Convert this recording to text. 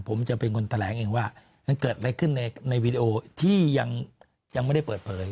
ผมจะเป็นคนแถลงเองว่ามันเกิดอะไรขึ้นในวีดีโอที่ยังไม่ได้เปิดเผย